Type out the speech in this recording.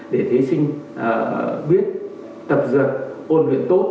để thí sinh biết tập dựng ôn luyện tốt